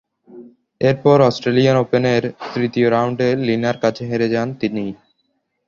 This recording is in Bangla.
এরপর অস্ট্রেলিয়ান ওপেনের তৃতীয় রাউন্ডে লি না’র কাছে হেরে যান তিনি।